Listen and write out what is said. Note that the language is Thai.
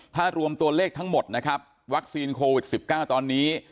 ถ้ารวมตัวเลขทั้งหมดนะครับวัคซีนโควิด๑๙ตอนนี้